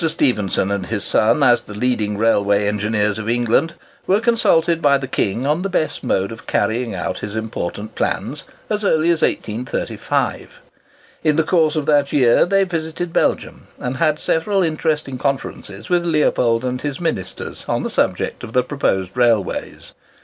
Stephenson and his son, as the leading railway engineers of England, were consulted by the King on the best mode of carrying out his important plans, as early as 1835. In the course of that year they visited Belgium, and had several interesting conferences with Leopold and his ministers on the subject of the proposed railways.